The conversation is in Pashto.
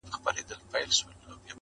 o تقدير په تدبير پوري خاندي!